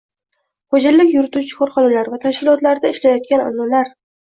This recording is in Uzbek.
Xo‘jalik yurituvchi korxona va tashkilotlarida ishlayotgan onalar